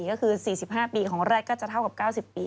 ก็คือ๔๕ปีของแรกก็จะเท่ากับ๙๐ปี